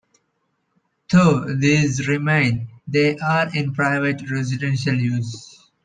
Though these remain, they are in private residential use.